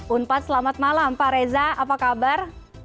unpad selamat malam pak reza apa kabar